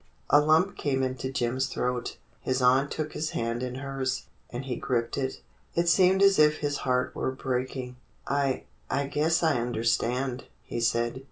A lump came into Jim's throat. His aunt took his hand in hers, and he gripped it. It seemed as if his heart were breaking. "I — I guess I understand," he said.